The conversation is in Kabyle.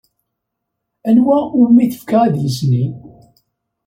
Anwa umi tefka adlis-nni?